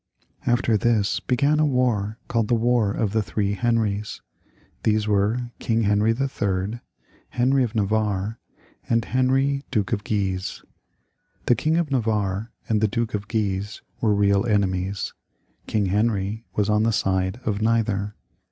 After this began a war called the War of the Three Henries. These were King Henry III., Heniy of Navarre, and Heniy, Duke of Guise. The King of Navarre and the Duke of Guise were real enemies. King Henry was on the side of neither.